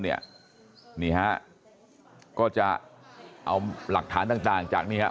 นี่ฮะก็จะเอาหลักฐานต่างจากนี่ฮะ